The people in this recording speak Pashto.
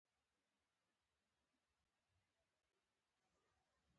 ايا هغه به تر اوسه پورې درس لوستلی وي؟